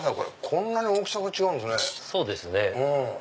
こんなに大きさが違うんですね。